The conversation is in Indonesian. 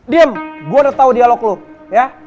diam gua udah tau dialog lu ya